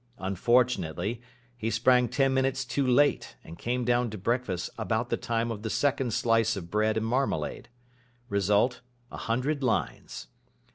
Unfortunately, he sprang ten minutes too late, and came down to breakfast about the time of the second slice of bread and marmalade. Result, a hundred lines.